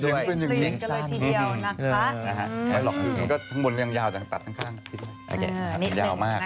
เสียงก็เลยทีเดียวนะคะอืมมันก็ทั้งบนยังยาวจากตัดทางข้างเออนิดหนึ่ง